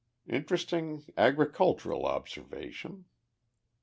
Interesting agricultural observation!